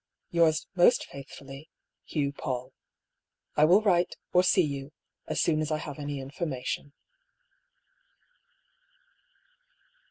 Yours most faithfully, "Hugh Paull. •• I will write, or see you, as soon as I have any information."